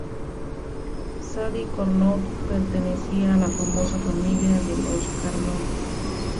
Sadi Carnot pertenecía a la famosa familia de los Carnot.